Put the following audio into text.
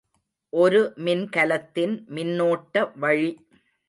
ஒரு மின்கலத்தின் மின்னோட்ட வழி.